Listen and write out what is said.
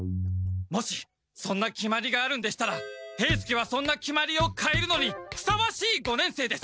もしそんな決まりがあるんでしたら兵助はそんな決まりをかえるのにふさわしい五年生です！